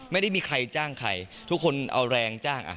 ไม่ได้มีใครจ้างใครทุกคนเอาแรงจ้าง